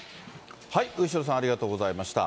後呂さん、ありがとうございました。